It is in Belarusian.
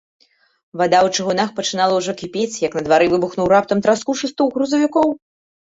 Вада ў чыгунах пачынала ўжо кіпець, як на двары выбухнуў раптам траскучы стук грузавікоў.